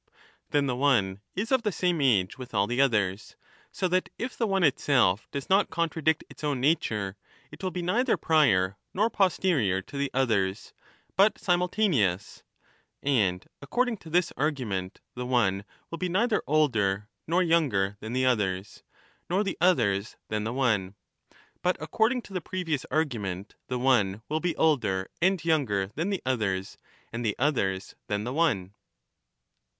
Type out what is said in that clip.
Then the one is of the same age with all the others, so that if the one itself does not contradict its own nature, it will be neither prior nor posterior to the others, but simultaneous ; and according to this argument the one will be neither older 154 nor younger than the others, nor the others than the one, but according to the previous argument the one will be older and younger than the others and the others than the one.